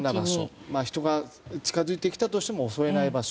人が近づいてきたとしても襲えない場所。